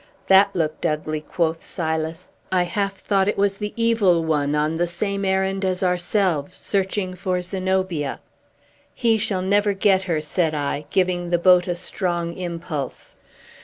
"That looked ugly!" quoth Silas. "I half thought it was the Evil One, on the same errand as ourselves, searching for Zenobia." "He shall never get her," said I, giving the boat a strong impulse.